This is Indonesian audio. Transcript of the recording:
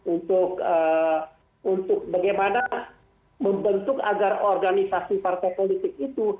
untuk bagaimana membentuk agar organisasi partai politik itu